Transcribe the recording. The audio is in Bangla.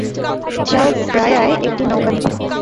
চাও ফ্রায়ায় একটি নৌকা নিব।